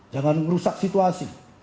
jangan merusak situasi